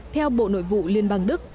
theo bộ nội vụ liên bang đức